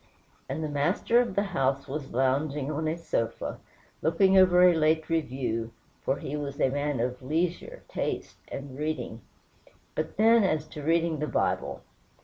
And the master of the house was lounging on a sofa, looking over a late review for he was a man of leisure, taste, and reading but, then, as to reading the Bible!